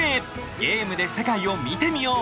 ゲームで世界を見てみよう」